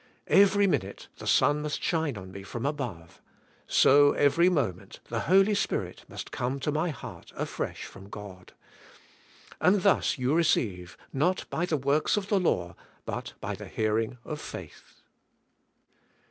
Kvery minute the sun must shine on me from above; so every moment the Holy Spirit must come to my heart fresh from God. And thus you receive, not by the works of the law but by the hearing of faith.